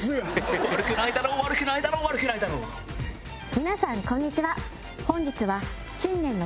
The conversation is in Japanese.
皆さんこんにちは。